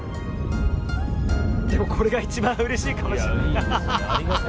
でも、これが一番うれしいかもしれない。